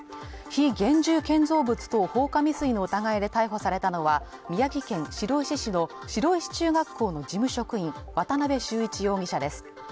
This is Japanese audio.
非現住建造物等放火未遂の疑いで逮捕されたのは宮城県白石市の白石中学校の事務職員渡邉秀一容疑者です